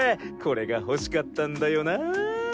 これが欲しかったんだよなぁ！